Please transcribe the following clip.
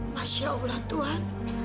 masya allah tuhan